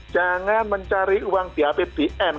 jangan mencari uang di apbn